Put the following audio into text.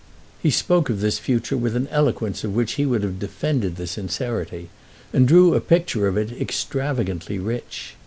He spoke of this future with an eloquence of which he would have defended the sincerity, and drew of it a picture extravagantly rich.